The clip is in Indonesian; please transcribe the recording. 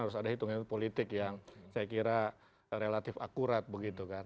harus ada hitung hitung politik yang saya kira relatif akurat begitu kan